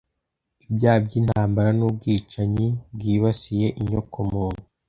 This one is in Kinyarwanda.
ibyaha by'intambara n'ubwicanyi bwibasiye inyoko muntu